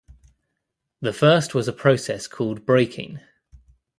The first was a process called 'breaking'.